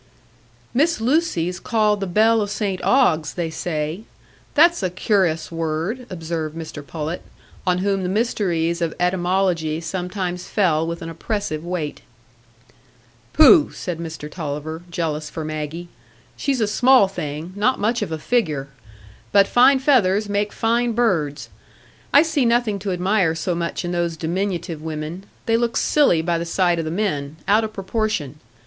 "Miss Lucy's called the bell o' St Ogg's, they say; that's a cur'ous word," observed Mr Pullet, on whom the mysteries of etymology sometimes fell with an oppressive weight. "Pooh!" said Mr Tulliver, jealous for Maggie, "she's a small thing, not much of a figure. But fine feathers make fine birds. I see nothing to admire so much in those diminutive women; they look silly by the side o' the men,—out o' proportion.